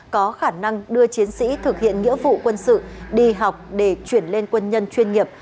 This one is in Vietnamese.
có khả năng đưa chiến sĩ thực hiện nghĩa vụ quân sự đi học để chuyển lên quân nhân chuyên nghiệp